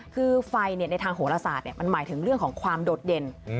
คือไฟในทางโหลศาสตร์มันหมายถึงเรื่องของความโดดเด่น